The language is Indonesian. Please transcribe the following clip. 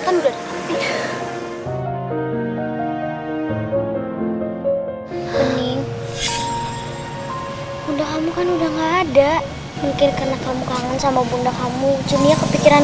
bening bening kamu kan udah nggak ada mungkin karena kamu kangen sama bunda kamu jenia kepikiran